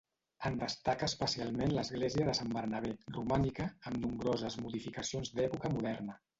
En destaca especialment l'església de Sant Bernabé, romànica, amb nombroses modificacions d'època moderna.